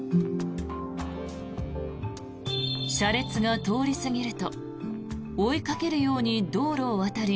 車列が通り過ぎると追いかけるように道路を渡り